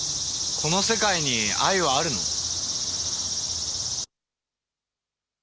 この世界に愛はあるの？